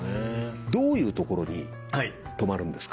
どういうところに泊まるんですか？